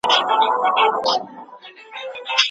مشتري د پاچا حیثیت لري.